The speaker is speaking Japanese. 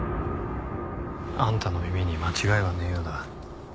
あんたの耳に間違いはねえようだ。